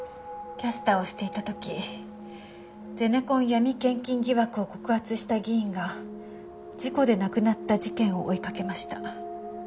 キャスターをしていた時ゼネコン闇献金疑惑を告発した議員が事故で亡くなった事件を追いかけました。